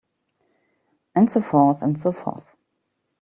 And so forth and so forth.